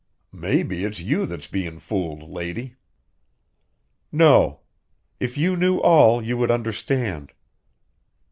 "Maybe it's you that's bein' fooled, lady." "No. If you knew all, you would understand."